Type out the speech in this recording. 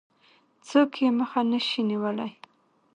څوک يې مخه نه شي نيولای.